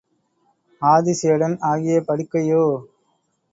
ஆதி சேடன் ஆகிய படுக்கையோ!